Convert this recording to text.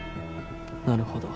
なるほど。